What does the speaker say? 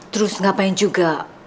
terus ngapain juga